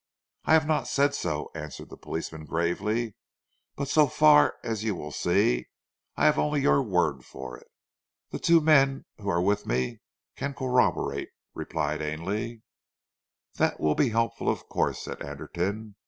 "I have not said so," answered the policeman gravely, "but so far, as you will see, I have only your word for it." "The two men who are with me can corroborate," replied Ainley. "That will be helpful, of course," said Anderton.